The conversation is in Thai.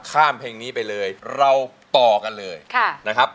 ข้ามเพลงนี้ไปเลยเราต่อกันเลยนะครับ